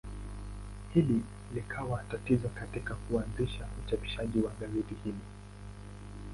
Hili likawa tatizo katika kuanzisha uchapishaji wa gazeti hili.